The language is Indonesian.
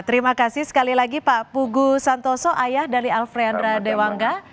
terima kasih sekali lagi pak pugu santoso ayah dari alfreandra dewangga